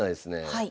はい。